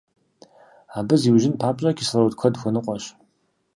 Абы зиужьын папщӀэ, кислород куэд хуэныкъуэщ.